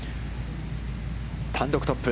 単独トップ。